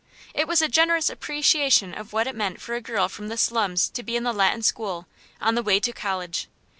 It was a generous appreciation of what it meant for a girl from the slums to be in the Latin School, on the way to college.